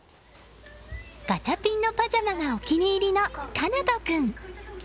ガチャピンのパジャマがお気に入りの叶冬君。